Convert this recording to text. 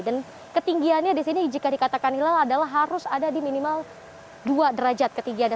dan ketinggiannya di sini jika dikatakan hilal adalah harus ada di minimal dua derajat ketinggiannya